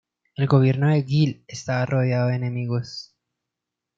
El gobierno de Gill estaba rodeado de enemigos.